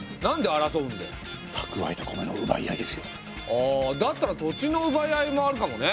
あだったら土地のうばい合いもあるかもね。